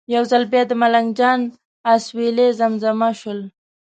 یو ځل بیا د ملنګ جان اسویلي زمزمه شول.